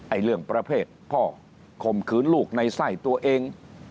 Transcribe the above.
เรื่องประเภทพ่อข่มขืนลูกในไส้ตัวเอง